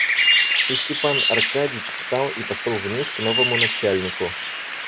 И Степан Аркадьич встал и пошел вниз к новому начальнику.